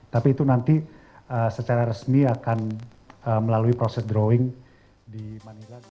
tapi itu nanti secara resmi akan melalui proses drawing di manila